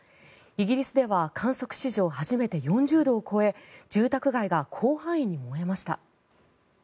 イギリスでは観測史上初めて４０度を超え住宅街が広範囲に燃えました。